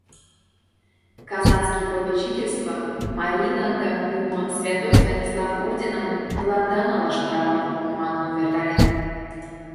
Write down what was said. Казанский попечительство марийланда пуымо Святой Станислав орденым тыланда налаш правам пуымо манын увертарен.